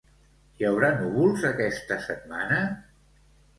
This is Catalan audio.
Hi haurà núvols aquesta setmana?